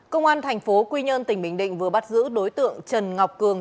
công an thành phố quy nhơn tỉnh bình định vừa bắt giữ đối tượng trần ngọc cường